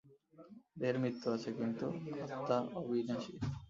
দেহের মৃত্যু আছে, কিন্তু আত্মা অবিনাশী।